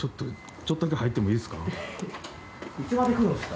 ちょっとだけ入ってもいいですか。